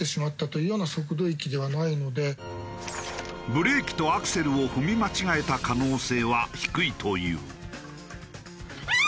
ブレーキとアクセルを踏み間違えた可能性は低いという。